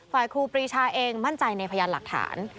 ครูปรีชาเองมั่นใจในพยานหลักฐาน